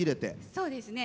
そうですね